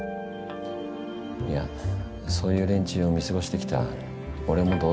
いやそういう連中を見過ごしてきた俺も同罪だな。